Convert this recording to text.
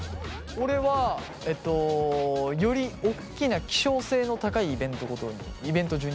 俺はえっとよりおっきな希少性の高いイベントごとにイベント順に並べた。